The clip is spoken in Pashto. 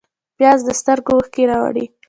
پیاز د سترګو اوښکې راوړي